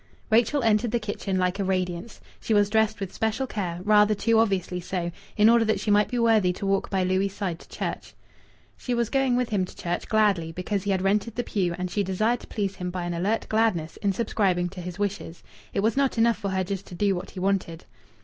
Rachel entered the kitchen like a radiance. She was dressed with special care, rather too obviously so, in order that she might be worthy to walk by Louis' side to church. She was going with him to church gladly, because he had rented the pew and she desired to please him by an alert gladness in subscribing to his wishes; it was not enough for her just to do what he wanted.